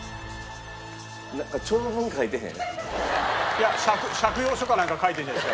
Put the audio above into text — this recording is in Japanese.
いや借用書かなんか書いてるんじゃない？